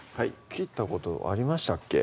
切ったことありましたっけ？